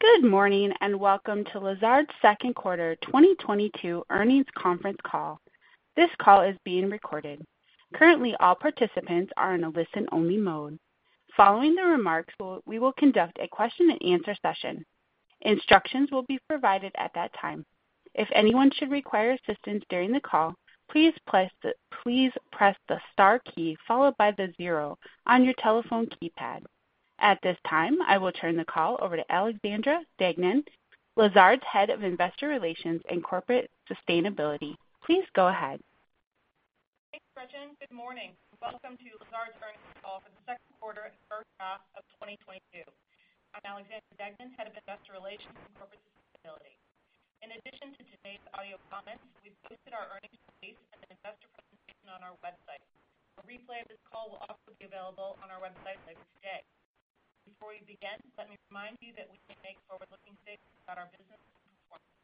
Good morning and welcome to Lazard's second quarter 2022 earnings conference call. This call is being recorded. Currently, all participants are in a listen-only mode. Following the remarks, we will conduct a question and answer session. Instructions will be provided at that time. If anyone should require assistance during the call, please press the star key followed by the zero on your telephone keypad. At this time, I will turn the call over to Alexandra Deignan, Lazard's Head of Investor Relations and Corporate Sustainability. Please go ahead. Thanks, Gretchen. Good morning. Welcome to Lazard's earnings call for the second quarter and first half of 2022. I'm Alexandra Deignan, Head of Investor Relations and Corporate Sustainability. In addition to today's audio comments, we've posted our earnings release and investor presentation on our website. A replay of this call will also be available on our website later today. Before we begin, let me remind you that we may make forward-looking statements about our business and performance.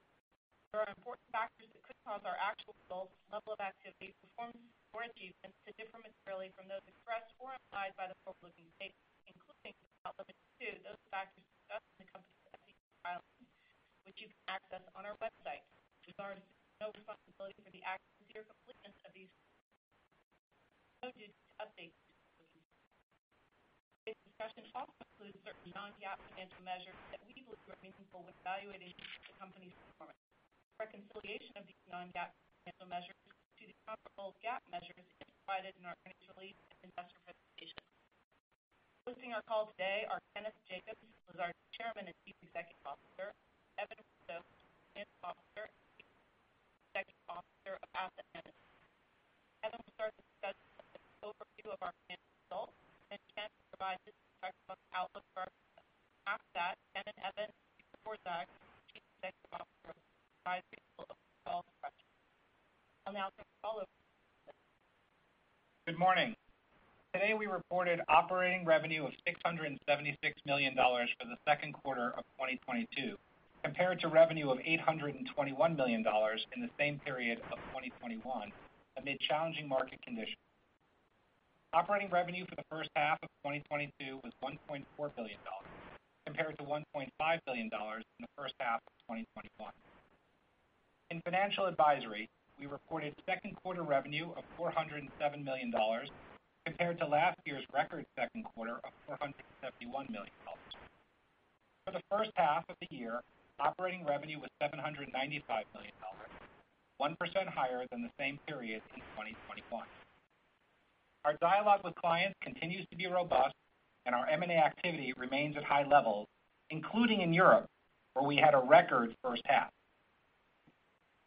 There are important factors that could cause our actual results, level of activity, performance or achievements to differ materially from those expressed or implied by the forward-looking statements, including but not limited to, those factors discussed in the company's SEC filings, which you can access on our website. Lazard accepts no responsibility for the accuracy or completeness of these statements. We have no duty to update these forward-looking statements. Today's discussion also includes certain non-GAAP financial measures that we believe were meaningful when evaluating the company's performance. Reconciliation of these non-GAAP financial measures to the comparable GAAP measures is provided in our financial release and investor presentation. Hosting our call today are Kenneth Jacobs, Lazard's Chairman and Chief Executive Officer, Evan Russo, Chief Executive Officer of Asset Management. Evan will start the discussion with an overview of our financial results, then Ken will provide his perspective on outlook for our business. After that, Ken and Evan will take your questions over the phone. I'll now turn the call over to Evan. Good morning. Today, we reported operating revenue of $676 million for the second quarter of 2022, compared to revenue of $821 million in the same period of 2021 amid challenging market conditions. Operating revenue for the first half of 2022 was $1.4 billion, compared to $1.5 billion in the first half of 2021. In financial advisory, we reported second quarter revenue of $407 million compared to last year's record second quarter of $471 million. For the first half of the year, operating revenue was $795 million, 1% higher than the same period in 2021. Our dialogue with clients continues to be robust and our M&A activity remains at high levels, including in Europe, where we had a record first half.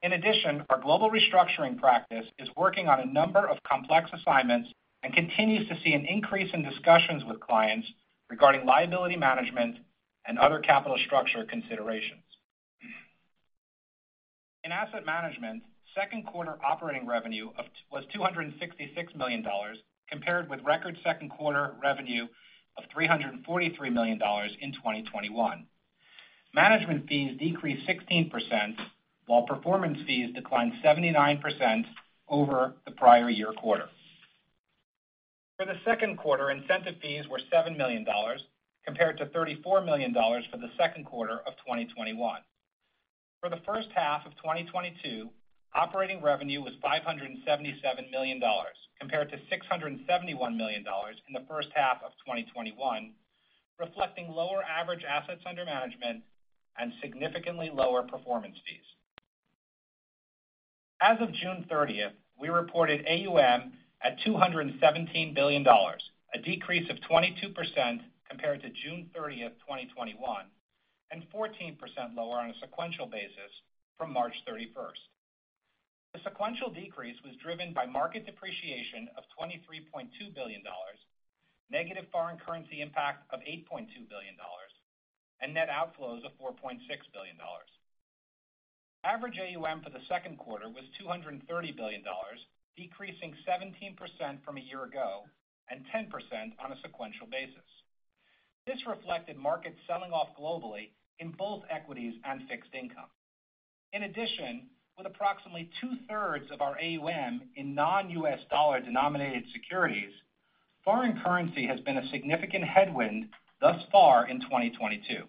In addition, our global restructuring practice is working on a number of complex assignments and continues to see an increase in discussions with clients regarding liability management and other capital structure considerations. In asset management, second quarter operating revenue was $266 million, compared with record second quarter revenue of $343 million in 2021. Management fees decreased 16%, while performance fees declined 79% over the prior year quarter. For the second quarter, incentive fees were $7 million, compared to $34 million for the second quarter of 2021. For the first half of 2022, operating revenue was $577 million, compared to $671 million in the first half of 2021, reflecting lower average assets under management and significantly lower performance fees. As of 30 June, we reported AUM at $217 billion, a decrease of 22% compared to 30 June 2021 and 14% lower on a sequential basis from 31 March. The sequential decrease was driven by market depreciation of $23.2 billion, negative foreign currency impact of $8.2 billion and net outflows of $4.6 billion. Average AUM for the second quarter was $230 billion, decreasing 17% from a year ago and 10% on a sequential basis. This reflected markets selling off globally in both equities and fixed income. In addition, with approximately two-thirds of our AUM in non-U.S. dollar-denominated securities, foreign currency has been a significant headwind thus far in 2022.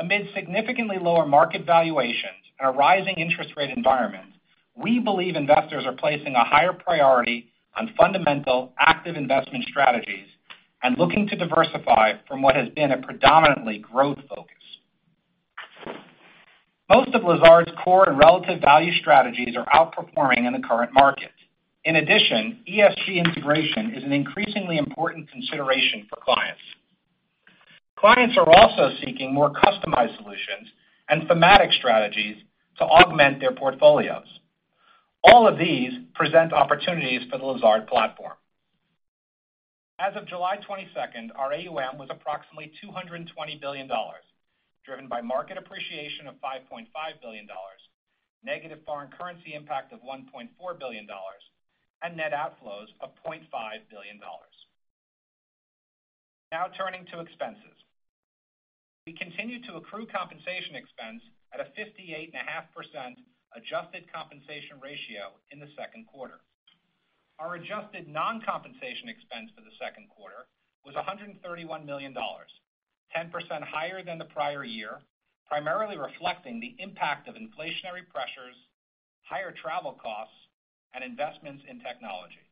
Amid significantly lower market valuations and a rising interest rate environment, we believe investors are placing a higher priority on fundamental active investment strategies and looking to diversify from what has been a predominantly growth focus. Most of Lazard's core and relative value strategies are outperforming in the current market. In addition, ESG integration is an increasingly important consideration for clients. Clients are also seeking more customized solutions and thematic strategies to augment their portfolios. All of these present opportunities for the Lazard platform. As of 22 July, our AUM was approximately $220 billion, driven by market appreciation of $5.5 billion, negative foreign currency impact of $1.4 billion and net outflows of $0.5 billion. Now turning to expenses. We continue to accrue compensation expense at a 58.5% adjusted compensation ratio in the second quarter. Our adjusted non-compensation expense for the second quarter was $131 million, 10% higher than the prior year, primarily reflecting the impact of inflationary pressures, higher travel costs and investments in technology.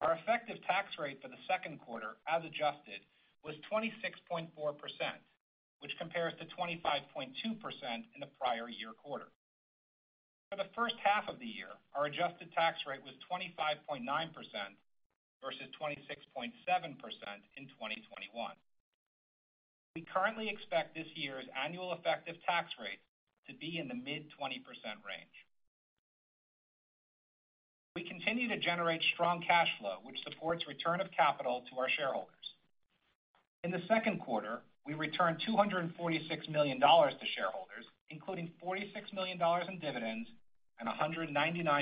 Our effective tax rate for the second quarter, as adjusted, was 26.4%, which compares to 25.2% in the prior year quarter. For the first half of the year, our adjusted tax rate was 25.9% versus 26.7% in 2021. We currently expect this year's annual effective tax rate to be in the mid-20% range. We continue to generate strong cash flow, which supports return of capital to our shareholders. In the second quarter, we returned $246 million to shareholders, including $46 million in dividends and $199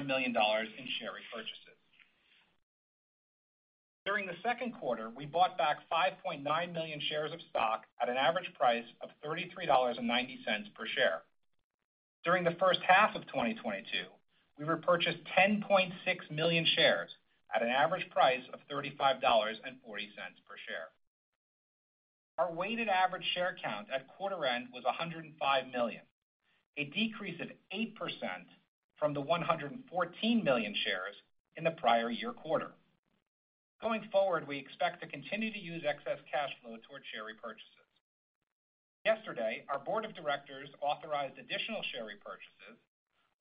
million in share repurchases. During the second quarter, we bought back 5.9 million shares of stock at an average price of $33.90 per share. During the first half of 2022, we repurchased 10.6 million shares at an average price of $35.40 per share. Our weighted average share count at quarter end was 105 million, a decrease of 8% from the 114 million shares in the prior year quarter. Going forward, we expect to continue to use excess cash flow toward share repurchases. Yesterday, our board of directors authorized additional share repurchases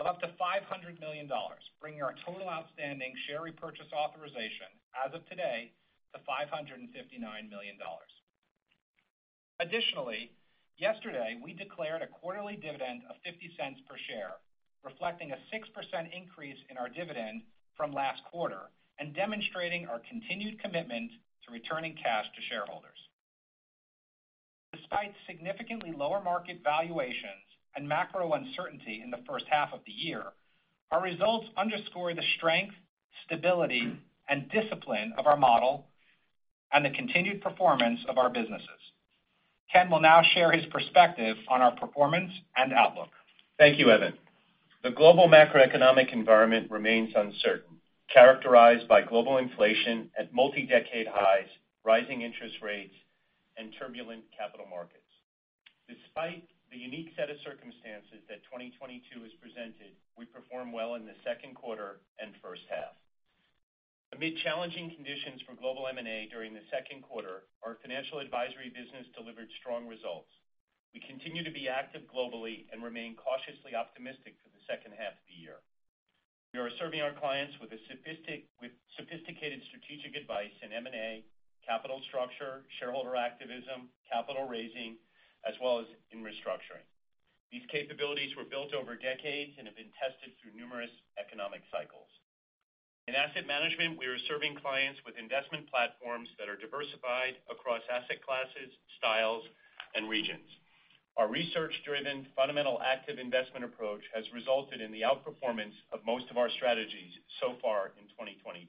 of up to $500 million, bringing our total outstanding share repurchase authorization as of today to $559 million. Additionally, yesterday, we declared a quarterly dividend of $0.50 per share, reflecting a 6% increase in our dividend from last quarter and demonstrating our continued commitment to returning cash to shareholders. Despite significantly lower market valuations and macro uncertainty in the first half of the year, our results underscore the strength, stability and discipline of our model and the continued performance of our businesses. Ken will now share his perspective on our performance and outlook. Thank you, Evan. The global macroeconomic environment remains uncertain, characterized by global inflation at multi-decade highs, rising interest rates and turbulent capital markets. Despite the unique set of circumstances that 2022 has presented, we performed well in the second quarter and first half. Amid challenging conditions for global M&A during the second quarter, our financial advisory business delivered strong results. We continue to be active globally and remain cautiously optimistic for the second half of the year. We are serving our clients with sophisticated strategic advice in M&A, capital structure, shareholder activism, capital raising, as well as in restructuring. These capabilities were built over decades and have been tested through numerous economic cycles. In asset management, we are serving clients with investment platforms that are diversified across asset classes, styles and regions. Our research-driven, fundamental active investment approach has resulted in the outperformance of most of our strategies so far in 2022.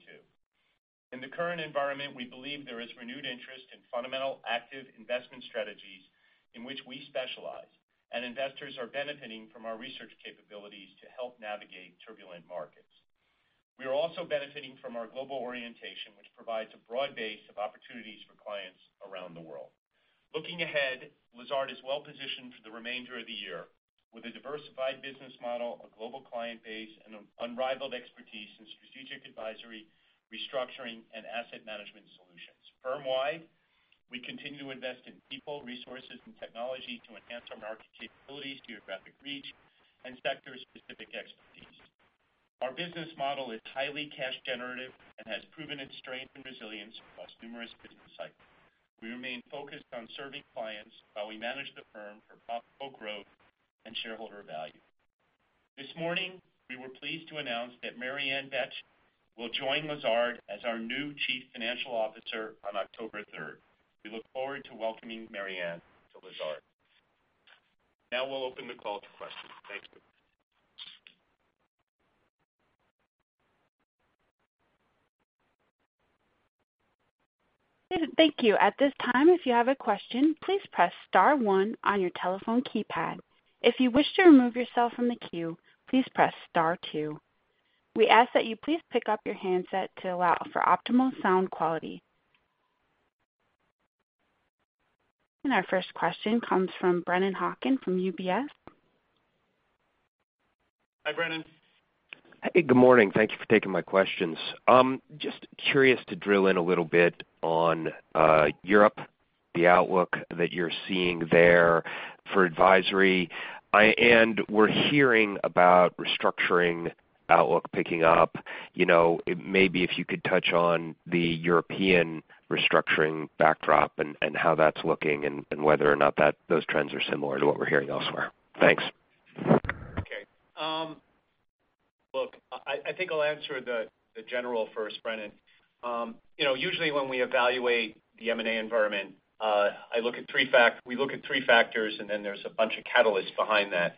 In the current environment, we believe there is renewed interest in fundamental active investment strategies in which we specialize and investors are benefiting from our research capabilities to help navigate turbulent markets. We are also benefiting from our global orientation, which provides a broad base of opportunities for clients around the world. Looking ahead, Lazard is well positioned for the remainder of the year with a diversified business model, a global client base and an unrivaled expertise in strategic advisory, restructuring and asset management solutions. Firmwide, we continue to invest in people, resources and technology to enhance our market capabilities, geographic reach and sector-specific expertise. Our business model is highly cash generative and has proven its strength and resilience across numerous business cycles. We remain focused on serving clients while we manage the firm for profitable growth and shareholder value. This morning, we were pleased to announce that Mary Ann Betsch will join Lazard as our new Chief Financial Officer on 3 October. We look forward to welcoming Mary Ann Betsch to Lazard. Now we'll open the call to questions. Thanks. Thank you. At this time, if you have a question, please press star one on your telephone keypad. If you wish to remove yourself from the queue, please press star two. We ask that you please pick up your handset to allow for optimal sound quality. Our first question comes from Brennan Hawken from UBS. Hi, Brennan. Hey, good morning. Thank you for taking my questions. Just curious to drill in a little bit on Europe, the outlook that you're seeing there for advisory. We're hearing about restructuring outlook picking up. You know, maybe if you could touch on the European restructuring backdrop and how that's looking and whether or not those trends are similar to what we're hearing elsewhere. Thanks. Okay. Look, I think I'll answer the general first, Brennan. You know, usually when we evaluate the M&A environment, we look at three factors and then there's a bunch of catalysts behind that.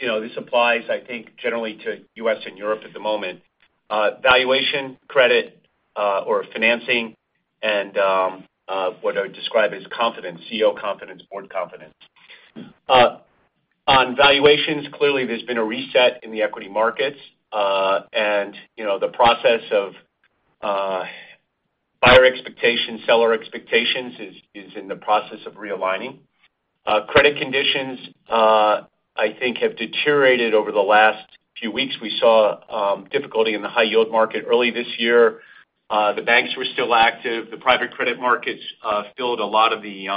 You know, this applies, I think, generally to U.S. and Europe at the moment. Valuation, credit or financing and what I would describe as confidence, CEO confidence, board confidence. On valuations, clearly there's been a reset in the equity markets and you know, the process of buyer expectations, seller expectations is in the process of realigning. Credit conditions, I think, have deteriorated over the last few weeks. We saw difficulty in the high yield market early this year. The banks were still active. The private credit markets filled a lot of the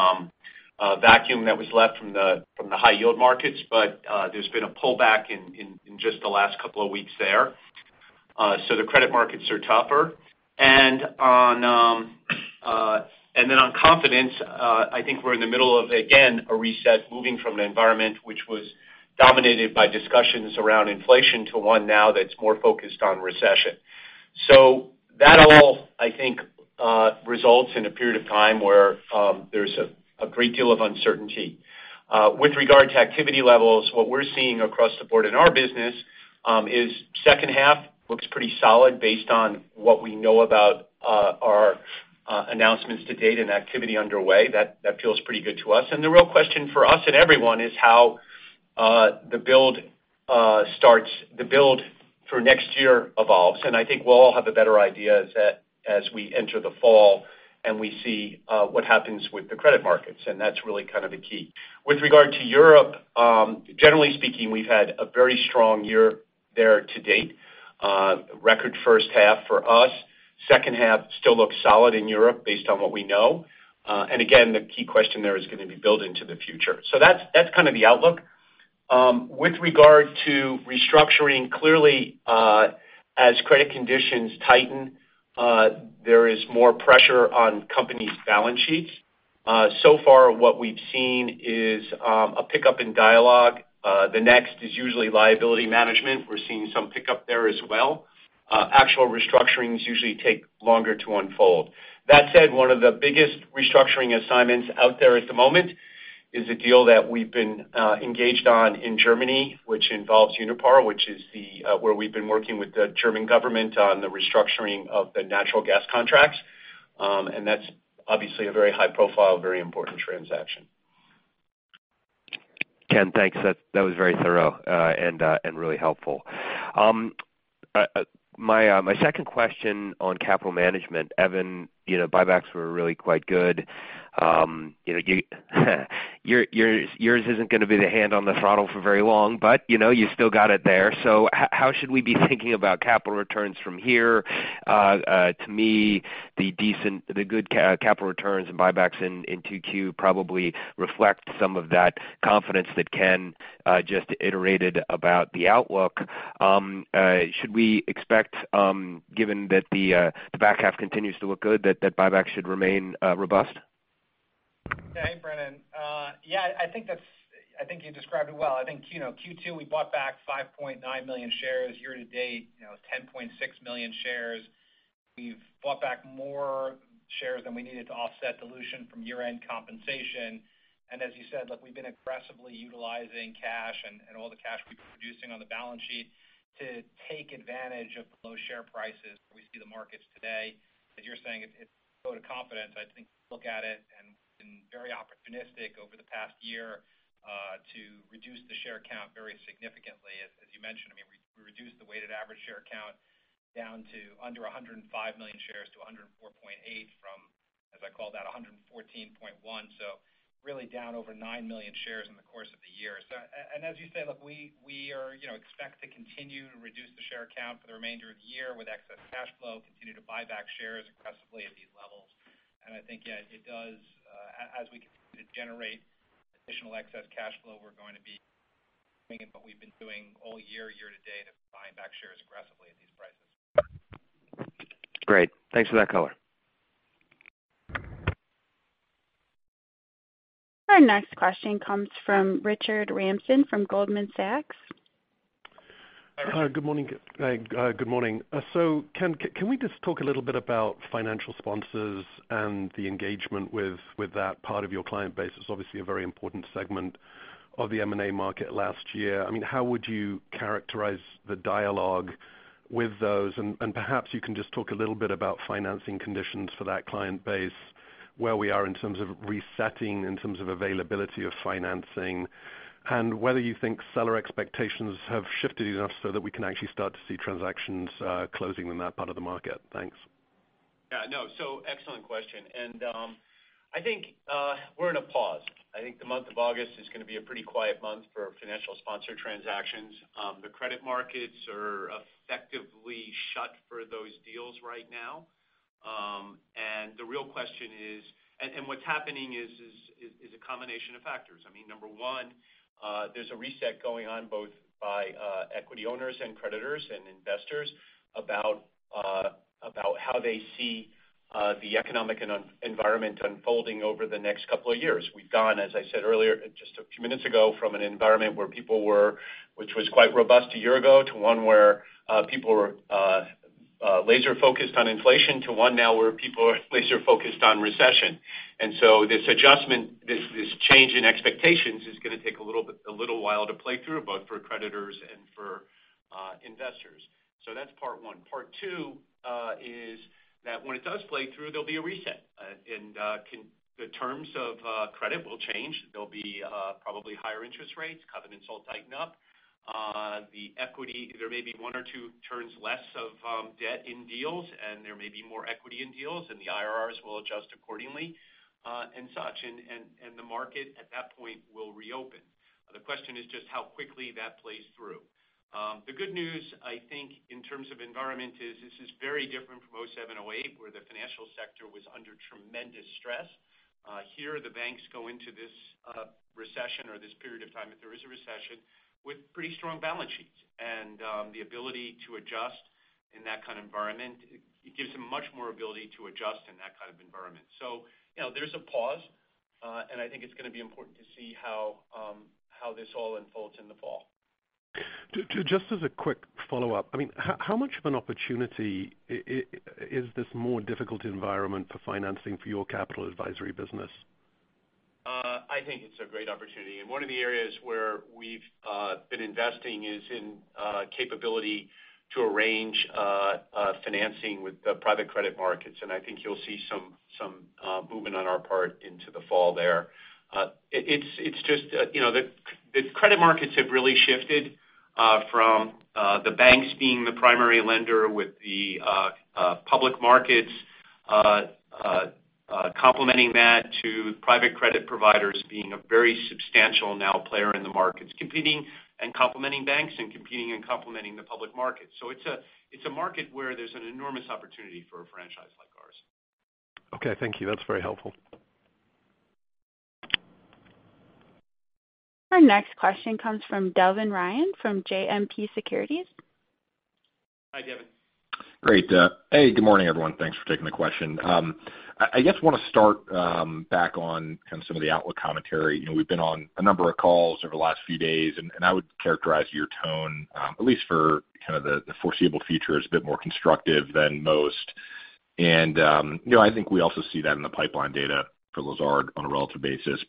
vacuum that was left from the high yield markets. There's been a pullback in just the last couple of weeks there. The credit markets are tougher. On confidence, I think we're in the middle of again a reset moving from an environment which was dominated by discussions around inflation to one now that's more focused on recession. That all, I think, results in a period of time where there's a great deal of uncertainty. With regard to activity levels, what we're seeing across the board in our business is second half looks pretty solid based on what we know about our announcements to date and activity underway. That feels pretty good to us. The real question for us and everyone is how the build for next year evolves. I think we'll all have a better idea as we enter the fall and we see what happens with the credit markets and that's really kind of the key. With regard to Europe, generally speaking, we've had a very strong year there to date. Record first half for us. Second half still looks solid in Europe based on what we know. Again, the key question there is gonna be build into the future. That's kind of the outlook. With regard to restructuring, clearly, as credit conditions tighten, there is more pressure on companies' balance sheets. So far what we've seen is a pickup in dialogue. The next is usually liability management. We're seeing some pickup there as well. Actual restructurings usually take longer to unfold. That said, one of the biggest restructuring assignments out there at the moment is a deal that we've been engaged on in Germany, which involves Uniper, which is where we've been working with the German government on the restructuring of the natural gas contracts. That's obviously a very high-profile, very important transaction. Ken, thanks. That was very thorough and really helpful. My second question on capital management, Evan. You know, buybacks were really quite good. You know, yours isn't gonna be the hand on the throttle for very long but you know, you still got it there. How should we be thinking about capital returns from here? To me, the good capital returns and buybacks in 2Q probably reflect some of that confidence that Ken just iterated about the outlook. Should we expect, given that the back half continues to look good, that buyback should remain robust? Hey, Brennan. I think you described it well. I think, you know, Q2, we bought back 5.9 million shares. Year to date, you know, it's 10.6 million shares. We've bought back more shares than we needed to offset dilution from year-end compensation. As you said, look, we've been aggressively utilizing cash and all the cash we've been producing on the balance sheet to take advantage of the low share prices where we see the markets today. As you're saying, it's a vote of confidence. I think, look at it and we've been very opportunistic over the past year to reduce the share count very significantly. As you mentioned, I mean, we reduced the weighted average share count down to under 105 million shares to 104.8 from, as I call that, 114.1. Really down over 9 million shares in the course of the year. And as you say, look, we are, you know, expect to continue to reduce the share count for the remainder of the year with excess cash flow, continue to buy back shares aggressively at these levels. I think, yeah, it does, as we continue to generate additional excess cash flow, we're going to be doing what we've been doing all year to date, is buying back shares aggressively at these prices. Great. Thanks for that color. Our next question comes from Richard Ramsden from Goldman Sachs. Hi. Good morning. Good morning. Ken, can we just talk a little bit about financial sponsors and the engagement with that part of your client base? It's obviously a very important segment of the M&A market last year. I mean, how would you characterize the dialogue with those? Perhaps you can just talk a little bit about financing conditions for that client base, where we are in terms of resetting, in terms of availability of financing and whether you think seller expectations have shifted enough so that we can actually start to see transactions closing in that part of the market. Thanks. Yeah, no, so excellent question. I think we're in a pause. I think the month of August is gonna be a pretty quiet month for financial sponsor transactions. The credit markets are effectively shut for those deals right now. The real question is what's happening is a combination of factors. I mean, number one, there's a reset going on both by equity owners and creditors and investors about how they see the economic environment unfolding over the next couple of years. We've gone, as I said earlier, just a few minutes ago, from an environment where people were, which was quite robust a year ago, to one where people were laser focused on inflation to one now where people are laser focused on recession. This adjustment, this change in expectations is gonna take a little bit, a little while to play through, both for creditors and for investors. That's part one. Part two is that when it does play through, there'll be a reset. The terms of credit will change. There'll be probably higher interest rates, covenants will tighten up. The equity, there may be one or two turns less of debt in deals and there may be more equity in deals and the IRR will adjust accordingly and such. The market at that point will reopen. The question is just how quickly that plays through. The good news, I think, in terms of environment is this is very different from 2007, 2008, where the financial sector was under tremendous stress. Here, the banks go into this recession or this period of time, if there is a recession, with pretty strong balance sheets. The ability to adjust in that kind of environment, it gives them much more ability to adjust in that kind of environment. You know, there's a pause and I think it's gonna be important to see how this all unfolds in the fall. Just as a quick follow-up, I mean, how much of an opportunity is this more difficult environment for financing for your capital advisory business? I think it's a great opportunity. One of the areas where we've been investing is in capability to arrange financing with the private credit markets and I think you'll see some movement on our part into the fall there. It's just, you know, the credit markets have really shifted from the banks being the primary lender with the public markets complementing that to private credit providers being a very substantial player in the markets now, competing and complementing banks and competing and complementing the public markets. It's a market where there's an enormous opportunity for a franchise like ours. Okay, thank you. That's very helpful. Our next question comes from Devin Ryan from JMP Securities. Hi, Devin. Great. Hey, good morning, everyone. Thanks for taking the question. I guess wanna start back on kind of some of the outlook commentary. You know, we've been on a number of calls over the last few days and I would characterize your tone at least for kind of the foreseeable future as a bit more constructive than most. You know, I think we also see that in the pipeline data for Lazard on a relative basis.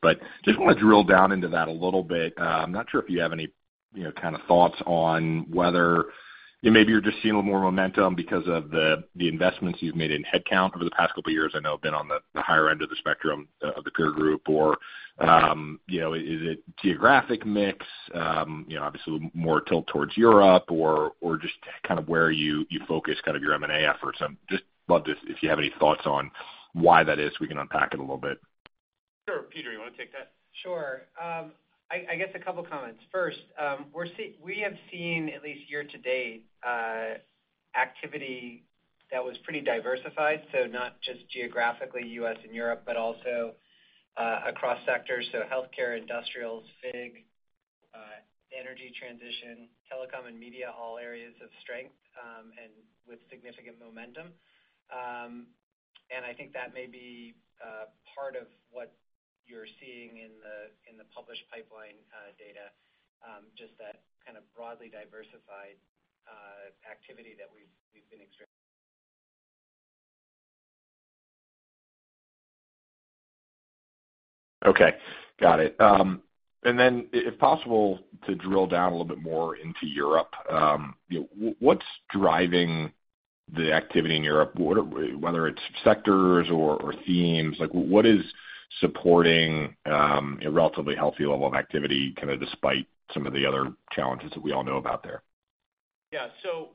Just wanna drill down into that a little bit. I'm not sure if you have any, you know, kind of thoughts on whether, you know, maybe you're just seeing more momentum because of the investments you've made in headcount over the past couple of years. I know have been on the higher end of the spectrum of the peer group. You know, is it geographic mix? You know, obviously more tilt towards Europe or just kind of where you focus kind of your M&A efforts. If you have any thoughts on why that is, we can unpack it a little bit. Sure. Peter, you wanna take that? Sure. I guess a couple comments. First, we have seen at least year-to-date activity that was pretty diversified, so not just geographically U.S. and Europe but also, across sectors. Healthcare, industrials, FIG, energy transition, telecom and media, all areas of strength and with significant momentum. I think that may be part of what you're seeing in the published pipeline data, just that kind of broadly diversified activity that we've been experiencing. Okay, got it. If possible, to drill down a little bit more into Europe, you know, what's driving the activity in Europe? Whether it's sectors or themes, like what is supporting a relatively healthy level of activity kind of despite some of the other challenges that we all know about there? Yeah.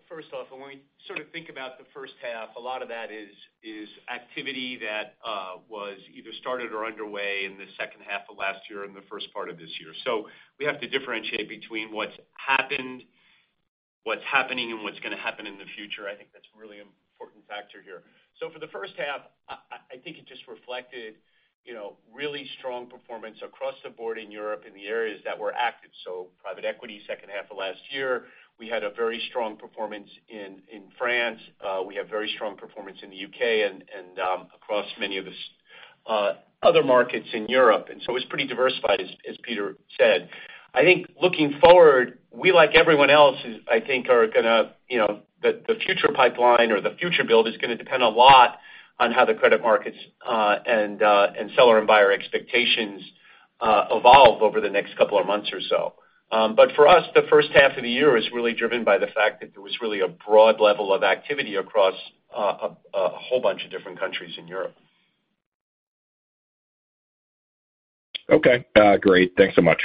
First off, when we sort of think about the first half, a lot of that is activity that was either started or underway in the second half of last year and the first part of this year. We have to differentiate between what's happened, what's happening and what's gonna happen in the future. I think that's a really important factor here. For the first half, I think it just reflected, you know, really strong performance across the board in Europe in the areas that were active. Private equity, second half of last year, we had a very strong performance in France. We have very strong performance in the U.K. and across many of the other markets in Europe. It was pretty diversified, as Peter said. I think looking forward, the future pipeline or the future build is gonna depend a lot on how the credit markets and seller and buyer expectations evolve over the next couple of months or so. For us, the first half of the year is really driven by the fact that there was really a broad level of activity across a whole bunch of different countries in Europe. Okay. Great. Thanks so much.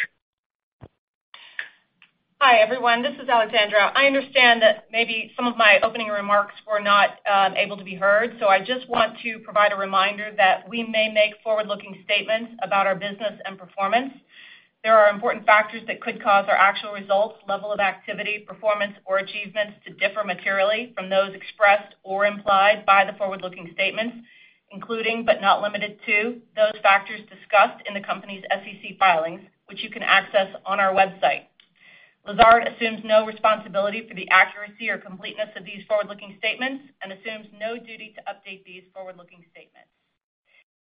Hi, everyone. This is Alexandra. I understand that maybe some of my opening remarks were not able to be heard, so I just want to provide a reminder that we may make forward-looking statements about our business and performance. There are important factors that could cause our actual results, level of activity, performance or achievements to differ materially from those expressed or implied by the forward-looking statements, including but not limited to, those factors discussed in the company's SEC filings, which you can access on our website. Lazard assumes no responsibility for the accuracy or completeness of these forward-looking statements and assumes no duty to update these forward-looking statements.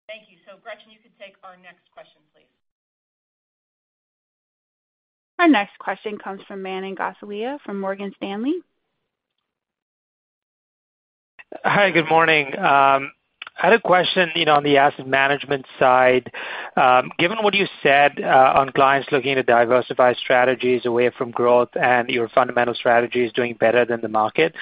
Thank you. Gretchen, you can take our next question, please. Our next question comes from Manan Gosalia from Morgan Stanley. Hi, good morning. I had a question, you know, on the asset management side. Given what you said, on clients looking to diversify strategies away from growth and your fundamental strategy is doing better than the market,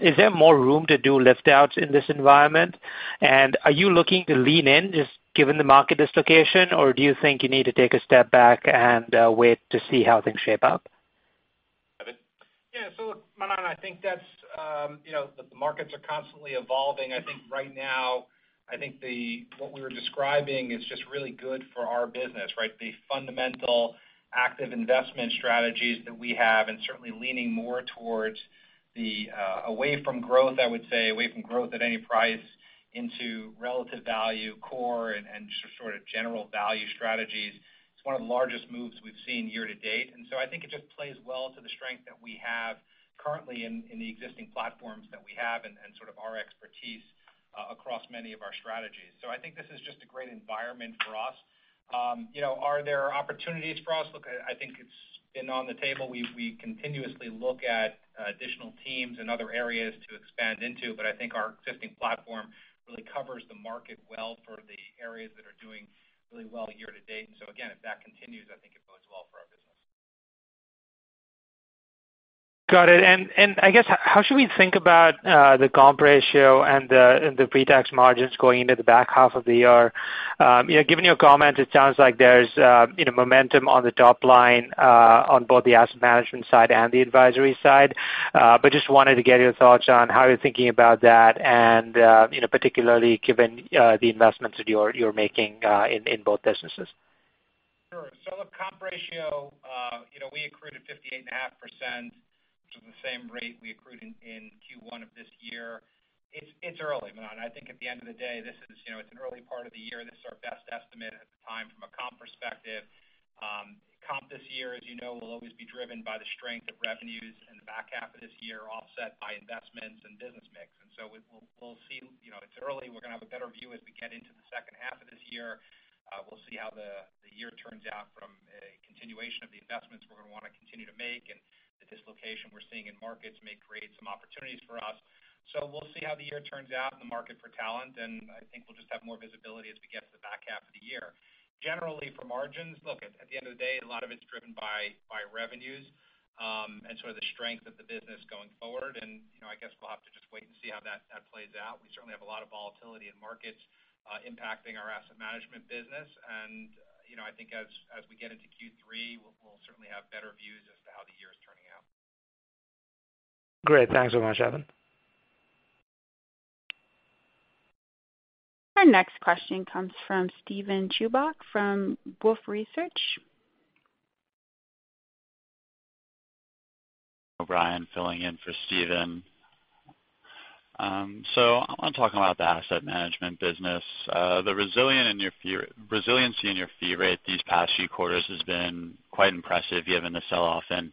is there more room to do lift outs in this environment? Are you looking to lean in just given the market dislocation or do you think you need to take a step back and wait to see how things shape up? Evan? Yeah. Look, Manan, I think that's, you know, the markets are constantly evolving. I think right now, what we were describing is just really good for our business, right? The fundamental active investment strategies that we have and certainly leaning more towards the, away from growth, I would say, away from growth at any price into relative value core and sort of general value strategies. It's one of the largest moves we've seen year to date. I think it just plays well to the strength that we have currently in the existing platforms that we have and sort of our expertise across many of our strategies. I think this is just a great environment for us. You know, are there opportunities for us? Look, I think it's been on the table. We continuously look at additional teams and other areas to expand into but I think our existing platform really covers the market well for the areas that are doing really well year to date. Again, if that continues, I think it bodes well for our business. Got it. I guess how should we think about the comp ratio and the pre-tax margins going into the back half of the year? You know, given your comment, it sounds like there's momentum on the top line on both the asset management side and the advisory side. But just wanted to get your thoughts on how you're thinking about that and you know, particularly given the investments that you're making in both businesses. Sure. Look, comp ratio, you know, we accrued a 58.5%, which is the same rate we accrued in Q1 of this year. It's early, Manan. I think at the end of the day, this is, you know, it's an early part of the year. This is our best estimate at the time from a comp perspective. Comp this year, as you know, will always be driven by the strength of revenues in the back half of this year, offset by investments and business mix. We'll see. You know, it's early. We're gonna have a better view as we get into the second half of this year. We'll see how the year turns out from a continuation of the investments we're gonna wanna continue to make and the dislocation we're seeing in markets may create some opportunities for us. We'll see how the year turns out in the market for talent and I think we'll just have more visibility as we get to the back half of the year. Generally, for margins, look, at the end of the day, a lot of it's driven by revenues and sort of the strength of the business going forward. You know, I guess we'll have to just wait and see how that plays out. We certainly have a lot of volatility in markets, impacting our asset management business. You know, I think as we get into Q3, we'll certainly have better views as to how the year is turning out. Great. Thanks so much, Evan. Our next question comes from Steven Chubak from Wolfe Research. Brian filling in for Steven. I wanna talk about the asset management business. The resiliency in your fee rate these past few quarters has been quite impressive given the sell-off in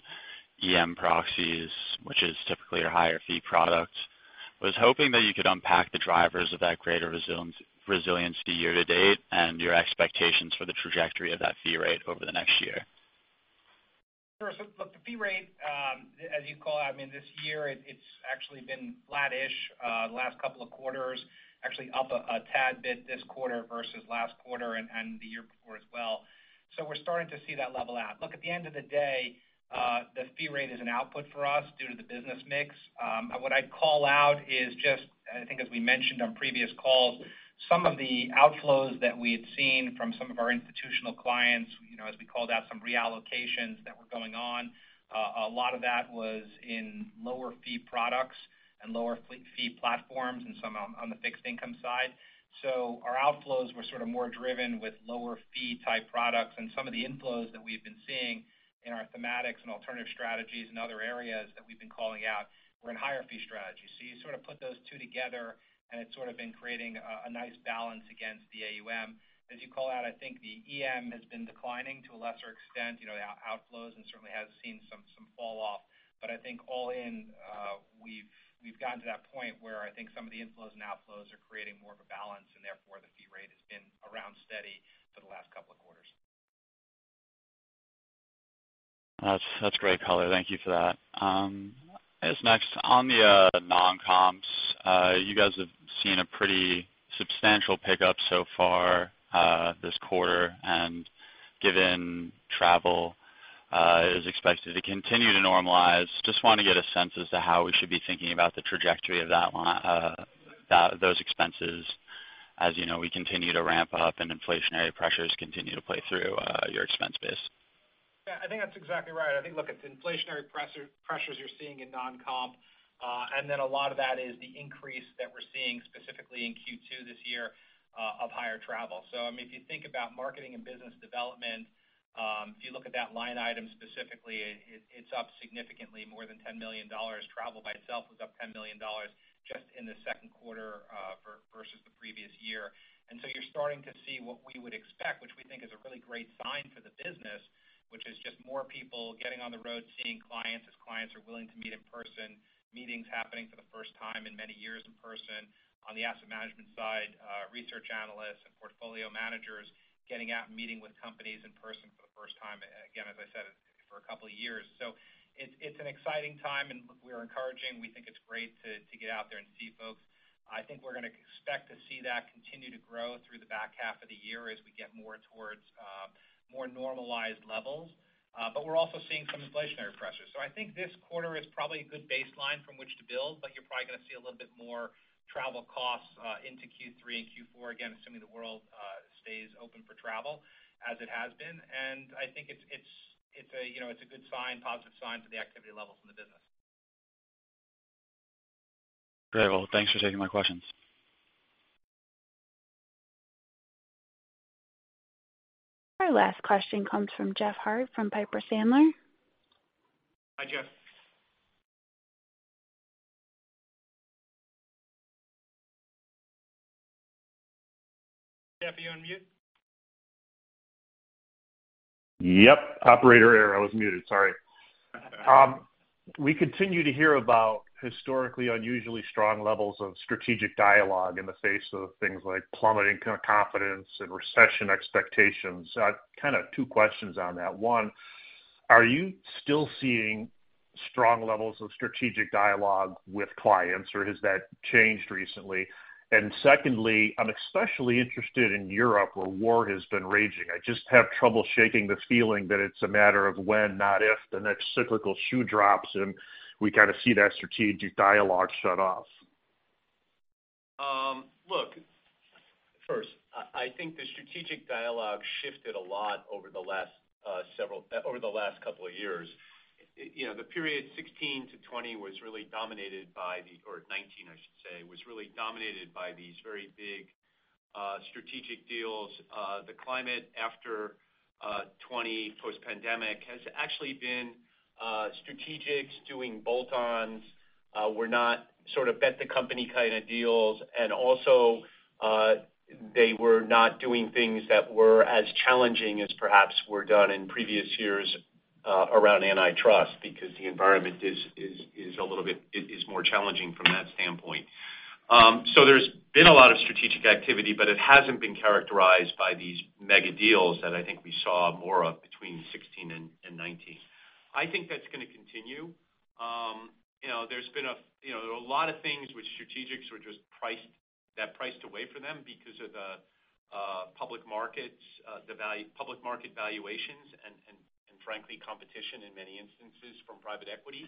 EM proxies, which is typically your higher fee product. I was hoping that you could unpack the drivers of that greater resiliency year to date and your expectations for the trajectory of that fee rate over the next year. Sure. Look, the fee rate, as you call out, I mean, this year it's actually been flattish, the last couple of quarters. Actually up a tad bit this quarter versus last quarter and the year before as well. We're starting to see that level out. Look, at the end of the day, the fee rate is an output for us due to the business mix. What I'd call out is just and I think as we mentioned on previous calls, some of the outflows that we had seen from some of our institutional clients, you know, as we called out some reallocations that were going on, a lot of that was in lower fee products and lower fee platforms and some on the fixed income side. Our outflows were sort of more driven with lower fee type products and some of the inflows that we've been seeing in our thematics and alternative strategies and other areas that we've been calling out were in higher fee strategies. You sort of put those two together and it's sort of been creating a nice balance against the AUM. As you call out, I think the EM has been declining to a lesser extent, you know, outflows and certainly has seen some fall off. But I think all in, we've gotten to that point where I think some of the inflows and outflows are creating more of a balance and therefore the fee rate has been around steady for the last couple of quarters. That's great color. Thank you for that. I guess next, on the non-comps, you guys have seen a pretty substantial pickup so far this quarter and given travel is expected to continue to normalize, just wanna get a sense as to how we should be thinking about the trajectory of that line, those expenses as you know, we continue to ramp up and inflationary pressures continue to play through your expense base. Yeah, I think that's exactly right. I think, look, it's inflationary pressures you're seeing in non-comp and then a lot of that is the increase that we're seeing specifically in Q2 this year, of higher travel. I mean, if you think about marketing and business development, if you look at that line item specifically, it's up significantly more than $10 million. Travel by itself was up $10 million just in the second quarter, versus the previous year. You're starting to see what we would expect, which we think is a really great sign for the business, which is just more people getting on the road, seeing clients as clients are willing to meet in person, meetings happening for the first time in many years in person. On the asset management side, research analysts and portfolio managers Getting out and meeting with companies in person for the first time, again, as I said, for a couple of years. It's an exciting time and we are encouraging. We think it's great to get out there and see folks. I think we're gonna expect to see that continue to grow through the back half of the year as we get more towards more normalized levels. But we're also seeing some inflationary pressures. I think this quarter is probably a good baseline from which to build but you're probably gonna see a little bit more travel costs into Q3 and Q4, again, assuming the world stays open for travel as it has been. I think it's a, you know, it's a good sign, positive sign for the activity levels in the business. Great. Well, thanks for taking my questions. Our last question comes from Jeff Harte from Piper Sandler. Hi, Jeff. Jeff, you on mute? Yep. Operator error. I was muted, sorry. We continue to hear about historically unusually strong levels of strategic dialogue in the face of things like plummeting CEO confidence and recession expectations. I have kind of two questions on that. One, are you still seeing strong levels of strategic dialogue with clients or has that changed recently? Secondly, I'm especially interested in Europe, where war has been raging. I just have trouble shaking the feeling that it's a matter of when, not if, the next cyclical shoe drops and we kind of see that strategic dialogue shut off. Look, first, I think the strategic dialogue shifted a lot over the last couple of years. You know, the period 2016 to 2020 was really dominated by or 2019, I should say, was really dominated by these very big strategic deals. The climate after 2020 post-pandemic has actually been strategics doing bolt-on, not sort of bet the company kind of deals. They were not doing things that were as challenging as perhaps were done in previous years around antitrust because the environment is a little bit more challenging from that standpoint. There's been a lot of strategic activity but it hasn't been characterized by these mega deals that I think we saw more of between 2016 and 2019. I think that's gonna continue. You know, there's been, you know, a lot of things with strategics that were just priced away from them because of the public markets, public market valuations and frankly, competition in many instances from private equity.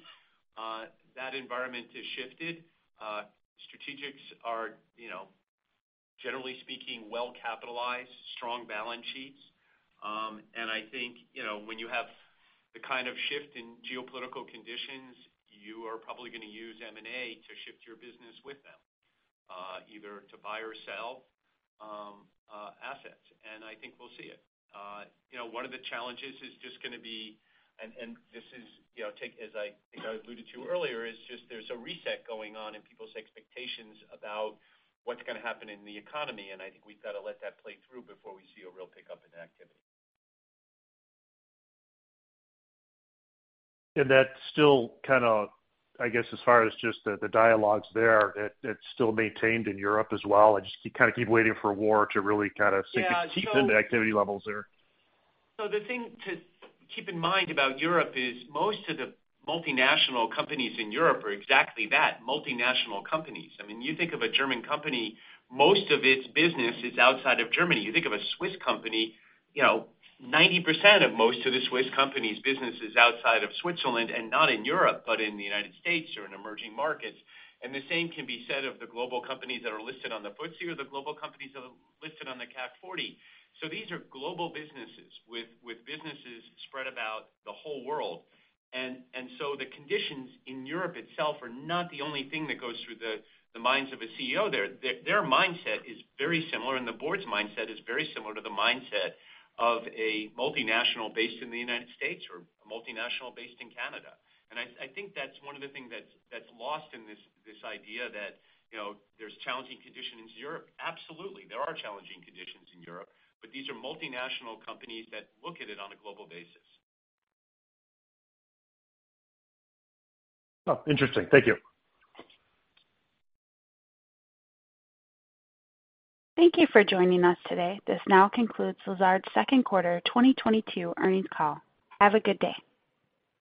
That environment has shifted. Strategics are, you know, generally speaking, well capitalized, strong balance sheets. I think, you know, when you have the kind of shift in geopolitical conditions, you are probably gonna use M&A to shift your business with them, either to buy or sell assets and I think we'll see it. You know, one of the challenges is just gonna be. This is, you know, the case as I think I alluded to earlier, just there's a reset going on in people's expectations about what's gonna happen in the economy and I think we've got to let that play through before we see a real pickup in activity. That's still kind of, I guess, as far as just the dialogues there, it's still maintained in Europe as well? I just keep kind of waiting for war to really kind of sink its teeth into activity levels there. The thing to keep in mind about Europe is most of the multinational companies in Europe are exactly that, multinational companies. I mean, you think of a German company, most of its business is outside of Germany. You think of a Swiss company, you know, 90% of most of the Swiss company's business is outside of Switzerland and not in Europe but in the United States or in emerging markets. The same can be said of the global companies that are listed on the FTSE or the global companies that are listed on the CAC 40. These are global businesses with businesses spread about the whole world. The conditions in Europe itself are not the only thing that goes through the minds of a CEO there. Their mindset is very similar and the board's mindset is very similar to the mindset of a multinational based in the United States or a multinational based in Canada. I think that's one of the things that's lost in this idea that, you know, there's challenging conditions in Europe. Absolutely, there are challenging conditions in Europe but these are multinational companies that look at it on a global basis. Oh, interesting. Thank you. Thank you for joining us today. This now concludes Lazard's second quarter 2022 earnings call. Have a good day.